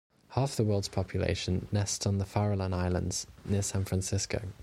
Half the world's population nests on the Farallon Islands near San Francisco.